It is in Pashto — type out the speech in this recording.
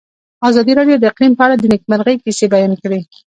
ازادي راډیو د اقلیم په اړه د نېکمرغۍ کیسې بیان کړې.